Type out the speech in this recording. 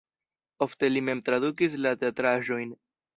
Ofte li mem tradukis la teatraĵojn.